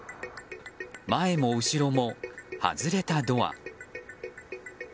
前も後ろも外れたドア。